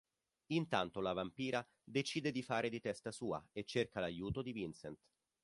Intanto la vampira decide di fare di testa sua e cerca l'aiuto di Vincent.